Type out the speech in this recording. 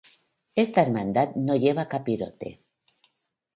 Esta Hermandad no lleva capirote.